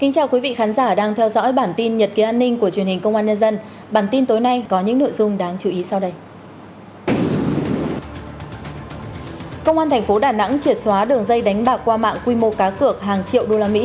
các bạn hãy đăng ký kênh để ủng hộ kênh của chúng mình nhé